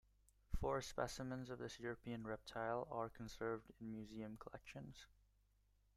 Four specimens of this European reptile are conserved in museum collections.